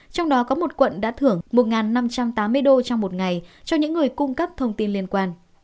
trong đó có một quận đã thưởng một năm trăm tám mươi đô trong một ngày cho những người cung cấp thông tin liên quan